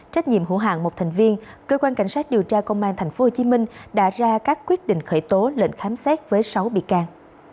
trách nhiệm hữu hạng một thành viên cơ quan cảnh sát điều tra công an tp hcm đã ra các quyết định khởi tố lệnh khám xét với sáu bị can